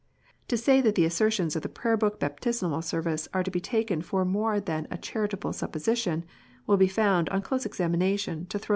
To say that the assertions of the Prayer ! book Baptismal Service are to be taken for more than a charitA able supposition, will be found, on close examination, to throw!